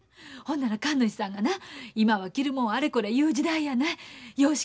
ほんなら神主さんがな「今は着るもんをあれこれ言う時代やない。